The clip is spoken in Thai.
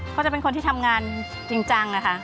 เขาจะเป็นคนที่ทำงานจริงจังนะคะ